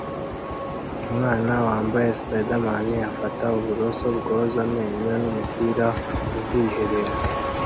Umwana wambaye spiderman afata uburoso bwoza amenyo numupira mubwiherero